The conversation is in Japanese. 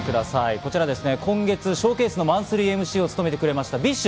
こちらは今月のＳＨＯＷＣＡＳＥ、マンスリーＭＣを務めてくれましたＢｉＳＨ。